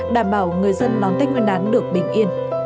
đảm bảo người dân lón tách nguyên đáng được bình yên